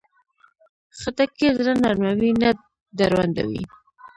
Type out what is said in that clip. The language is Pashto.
خټکی زړه نرموي، نه دروندوي.